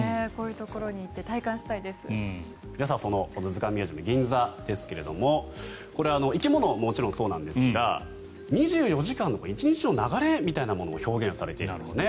皆さんこのＺＵＫＡＮＭＵＳＥＵＭＧＩＮＺＡですがこれ、生き物はもちろんそうなんですが２４時間１日の流れみたいなものも表現されてるんですね。